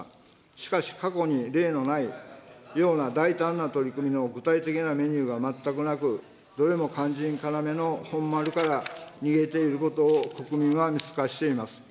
しかし、過去に例のないような大胆な取り組みの具体的なメニューが全くなく、どれも肝心要の本丸から逃げていることを国民は見透かしています。